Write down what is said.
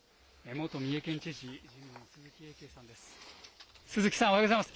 元三重県知事、自民の鈴木英敬さんです。